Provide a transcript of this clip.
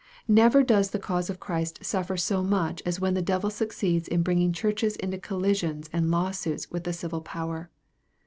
Never does the cause of Christ suffer so much as when the devil succeeds in bringing churches into collisions add law suits with the civil power.